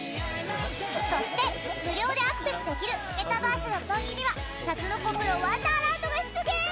そして、無料でアクセスできるメタバース六本木にはタツノコプロワンダーランドが出現！